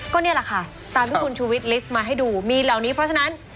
ก็นี่แหละค่ะตามที่คุณชูวิทลิสต์มาให้ดูมีเหล่านี้เพราะฉะนั้น